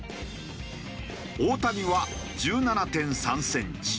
大谷は１７．３センチ。